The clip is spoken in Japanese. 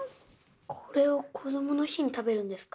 これをこどもの日に食べるんですか？